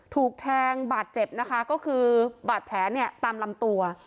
ถูกแทงบาดเจ็บนะคะก็คือบาดแผลเนี่ยตามลำตัว